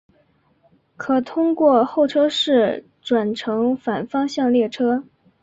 可通过候车室转乘反方向列车。